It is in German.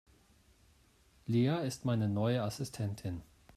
Lea ist meine neue Assistentin.